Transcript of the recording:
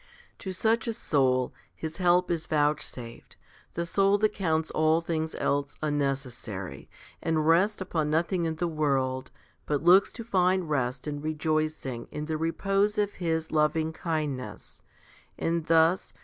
To such a soul His help is vouchsafed, the soul that counts all things else unnecessary, and rests upon nothing in the world, but looks to find rest and rejoicing in the repose of His loving kindness, and thus 1 Luke xviii.